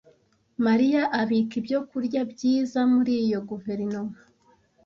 Mariya abika ibyokurya byiza muri iyo guverinoma.